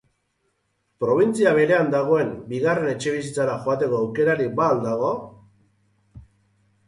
Probintzia berean dagoen bigarren etxebizitzara joateko aukerarik ba al dago?